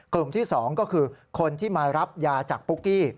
กลุ่มที่๒ก็คือคนที่มารับยาจากปุ๊กกี้